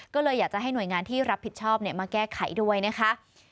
ก็เลยอยากจะให้หน่วยงานที่รับผิดชอบมาแก้ไขด้วยนะคะ